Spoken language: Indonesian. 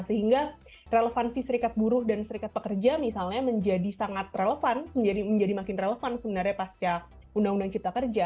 sehingga relevansi serikat buruh dan serikat pekerja misalnya menjadi sangat relevan menjadi makin relevan sebenarnya pasca undang undang cipta kerja